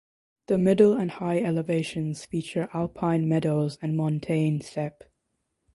The middle and high elevations feature alpine meadows and montane steppe.